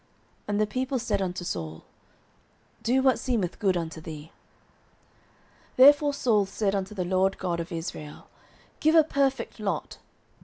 And the people said unto Saul, Do what seemeth good unto thee. 09:014:041 Therefore Saul said unto the LORD God of Israel, Give a perfect lot.